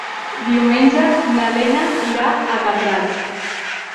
Diumenge na Lena irà a Catral.